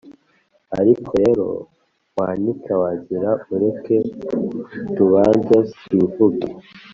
ariko rero wanyica wagira, ureke tubanze twivuge,